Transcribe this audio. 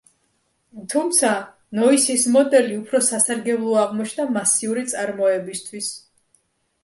თუმცა ნოისის მოდელი უფრო სასარგებლო აღმოჩნდა მასიური წარმოებისთვის.